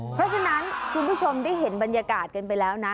เพราะฉะนั้นคุณผู้ชมได้เห็นบรรยากาศกันไปแล้วนะ